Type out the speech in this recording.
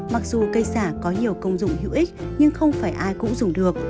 mặc dù cây xả có nhiều công dụng hữu ích nhưng không phải ai cũng dùng được